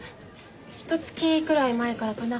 ひと月くらい前からかな。